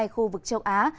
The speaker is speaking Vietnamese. khu vực châu á